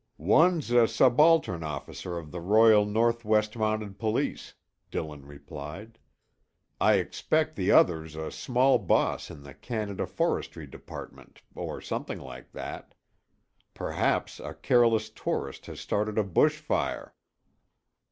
"One's a subaltern officer of the Royal North West Mounted Police," Dillon replied. "I expect the other's a small boss in the Canada forestry department, or something like that. Perhaps a careless tourist has started a bush fire."